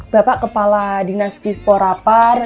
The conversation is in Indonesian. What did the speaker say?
bapak kepala dinasti disporapar